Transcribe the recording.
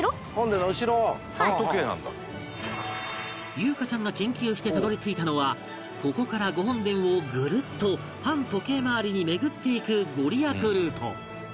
裕加ちゃんが研究してたどり着いたのはここから御本殿をぐるっと反時計回りに巡っていくご利益ルート